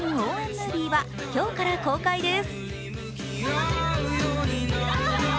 ムービーは今日から公開です。